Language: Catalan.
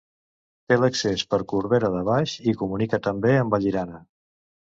Té l'accés per Corbera de Baix i comunica també amb Vallirana.